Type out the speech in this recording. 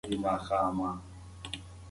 کافی پالنه د شنو بوټو اقتصادي ګټه زیاتوي.